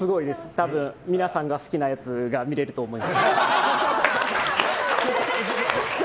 たぶん皆さんが好きなやつが見れると思います。